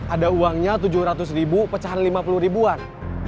ada uangnya tujuh ratus ribu pecahan lima puluh ribuan